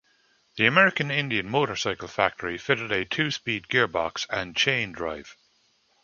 The American Indian motorcycle factory fitted a two-speed gearbox and chain-drive.